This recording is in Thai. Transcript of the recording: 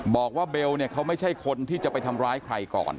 บอกว่าเบลเนี่ยเขาไม่ใช่คนที่จะไปทำร้ายใครก่อน